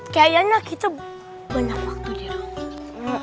kayaknya kita banyak waktu dirumah